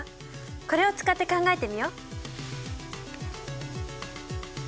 これを使って考えてみよう。